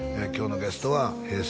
今日のゲストはＨｅｙ！